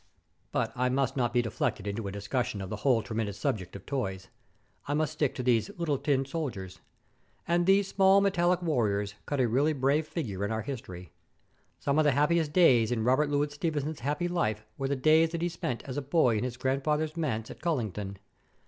But I must not be deflected into a discussion of the whole tremendous subject of toys. I must stick to these little tin soldiers. And these small metallic warriors cut a really brave figure in our history. Some of the happiest days in Robert Louis Stevenson's happy life were the days that he spent as a boy in his grandfather's manse at Colinton.